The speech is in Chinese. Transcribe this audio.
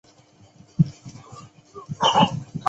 这些洞穴即古人丧葬之用。